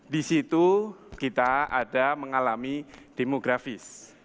di situ kita ada mengalami demografis